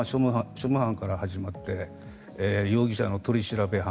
主務班から始まって容疑者の取り調べ班